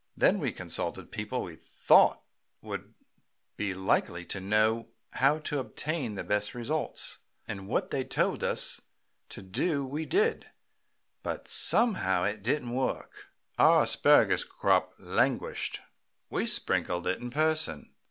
Then we consulted people we thought would be likely to know how to obtain the best results, and what they told us to do we did, but somehow it didn't work. Our asparagus crop languished. We sprinkled it in person.